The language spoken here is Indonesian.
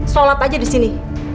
salat aja disini